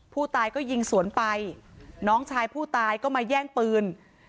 ผู้ตายก็ยิงสวนไปน้องชายผู้ตายก็มาแย่งปืน